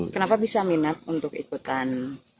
kenapa bisa minat untuk ikutan